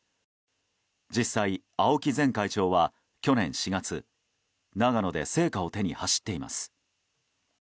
実際、青木前会長は去年４月長野で聖火を手に走っています。